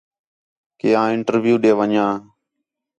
کہ آں انٹرویو ݙے ونڄاں